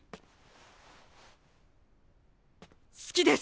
好きです！